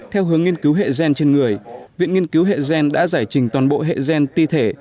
theo hướng nghiên cứu hệ gen trên người viện nghiên cứu hệ gen đã giải trình toàn bộ hệ gen ti thể